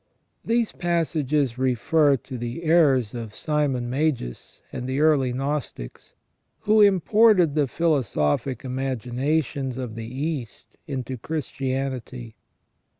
These passages refer to the errors of Simon Magus and the earliest Gnostics, who imported the philosophic imaginations of the East into Christianity.